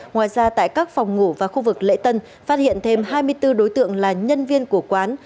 ngoài ra tại các phòng ngủ và khu vực lễ tân phát hiện thêm hai mươi bốn đối tượng là nhân viên của quán